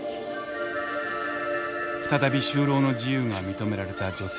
再び就労の自由が認められた女性たち。